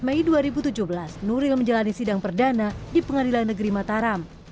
mei dua ribu tujuh belas nuril menjalani sidang perdana di pengadilan negeri mataram